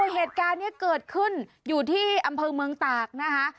เหตุการณ์นี้เกิดขึ้นอยู่ที่อำเภอเมืองตากนะคะ